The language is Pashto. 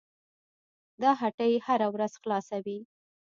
دا هټۍ هره ورځ خلاصه وي.